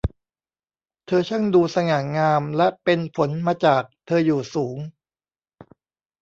เธอช่างดูสง่างามและเป็นผลมาจากเธออยู่สูง